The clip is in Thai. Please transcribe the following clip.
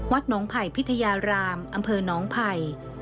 น้องไผ่พิทยารามอำเภอน้องไผ่